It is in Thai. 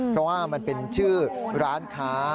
เพราะว่ามันเป็นชื่อร้านค้า